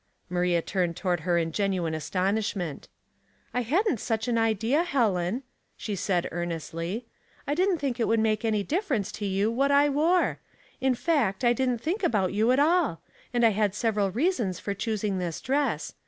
Maria turned toward her in genuine astonish ment. " I hadn't such an idea, Helen," she said, ear nestly. "I di(hi't think it would make any difference to you what I wore. In fact I didn't think about you at all ; and I had several reasons for choosing this dress.